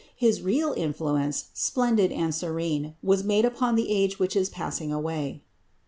His real influence, splendid and serene, was made upon the age which is passing away.